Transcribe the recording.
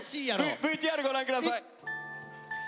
ＶＴＲご覧下さい。